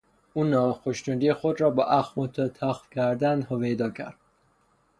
او ناخشنودی خود را با اخم و تخم کردن هویدا کرد.